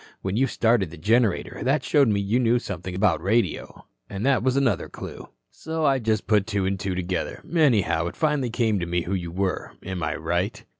When you started the generator that showed me you knew something about radio, an' that was another clue. "So I just put two an' two together. Anyhow, it finally came to me who you were. Am I right?"